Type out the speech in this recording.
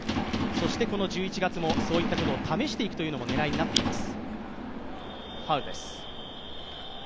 そしてこの１１月もそういったところを試していくというのが狙いになっています。